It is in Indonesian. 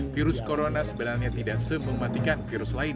virus corona sebenarnya tidak semematikan virus lain